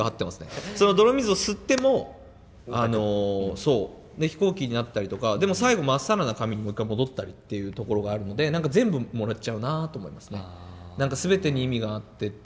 泥水を吸っても飛行機になったりとかでも最後真っさらな紙にもう一回戻ったりっていうところがあるので何か全部もらっちゃうなと思いますね。